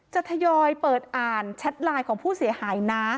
ทยอยเปิดอ่านแชทไลน์ของผู้เสียหายนะ